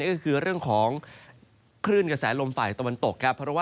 ก็คือเรื่องของคลื่นกระแสลมไฟตะวันตก